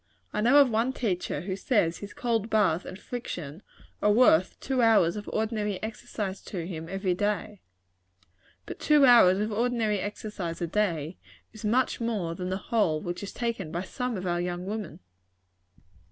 I know of one teacher who says his cold bath and friction are worth two hours of ordinary exercise to him every day. But two hours of ordinary exercise a day, is much more than the whole which is taken by some of our young women.